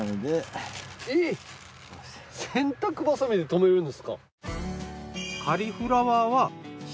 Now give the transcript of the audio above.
洗濯バサミで留めるんですか？